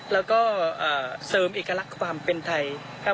แล้วก็เสริมเอกลักษณ์ความเป็นไทยครับ